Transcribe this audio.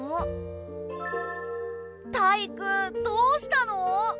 タイイクどうしたの？